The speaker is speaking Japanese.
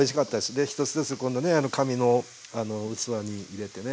で一つ一つこんなね紙の器に入れてね。